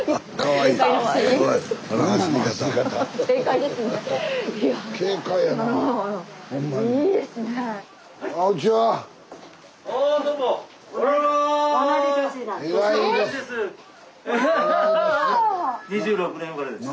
いや２６年生まれです。